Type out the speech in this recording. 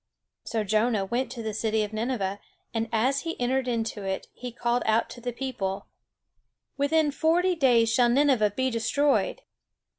So Jonah went to the city of Nineveh; and as he entered into it, he called out to the people: "Within forty days shall Nineveh be destroyed."